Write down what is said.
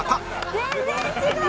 全然違う！